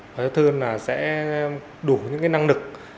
và thường là sẽ đủ những năng lực